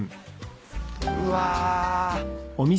うわ。